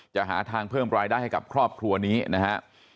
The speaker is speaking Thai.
หาทางเพิ่มรายได้ให้กับครอบครัวนี้นะฮะ